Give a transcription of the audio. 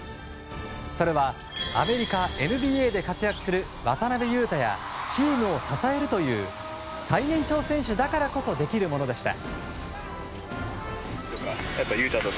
それはアメリカＮＢＡで活躍する渡邊雄太やチームを支えるという最年長選手だからこそできるものでした。